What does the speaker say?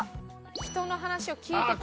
「人の話を聞いてくれない」。